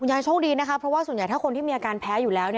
ยายโชคดีนะคะเพราะว่าส่วนใหญ่ถ้าคนที่มีอาการแพ้อยู่แล้ว